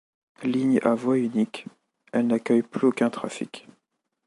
Ligne à voie unique, elle n'accueille plus aucun trafic.